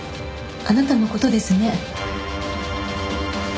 あなたの事ですね。